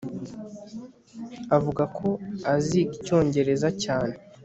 Avuga ko aziga icyongereza cyane